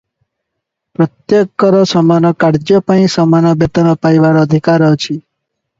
ପ୍ରତ୍ୟେକର ସମାନ କାର୍ଯ୍ୟପାଇଁ ସମାନ ବେତନ ପାଇବାର ଅଧିକାର ଅଛି ।